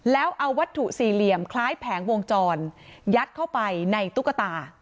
แล้วเอาวัตถุสี่เหลี่ยมคล้ายแผงวงจรยัดเข้าไปในตุ๊กตา